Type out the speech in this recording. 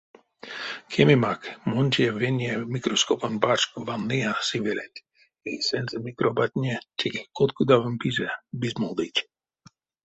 Кемемак, мон те вене микроскопонь пачк ванныя сывеленть: эйсэнзэ микробатне, теке коткудавонь пизэ, бизмолдыть.